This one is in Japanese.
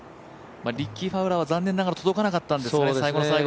リッキー・ファウラーは残念ながら届かなかったんですが、最後の最後。